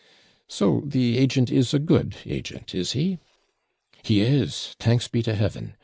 'So the agent is a good agent, is he?' 'He is, thanks be to Heaven!